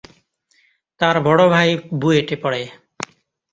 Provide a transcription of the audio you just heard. তার বড় ভাই বুয়েটে পড়ে।